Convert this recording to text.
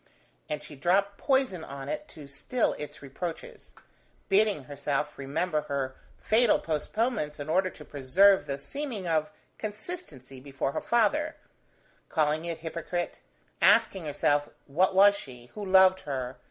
And she dropped poison on it to still its reproaches: bidding herself remember her fatal postponements in order to preserve the seeming of consistency before her father; calling it hypocrite; asking herself, what was she! who loved her!